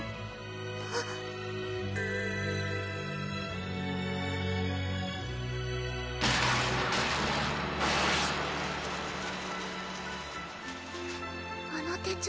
あっあの手帳